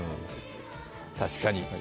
確かに。